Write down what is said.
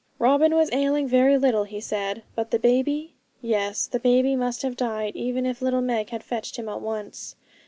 Robin was ailing very little, he said: but the baby? Yes, the baby must have died even if little Meg had fetched him at once.